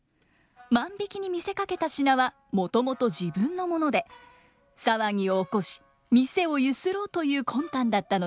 万引きに見せかけた品はもともと自分のもので騒ぎを起こし店をゆすろうという魂胆だったのです。